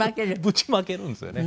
ぶちまけるんですよね